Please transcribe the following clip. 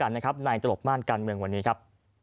ในตลกม่านการเมืองวันนี้ครับ